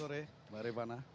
selamat sore mbak rifana